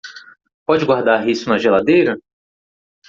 Pode guardar isso na geladeira?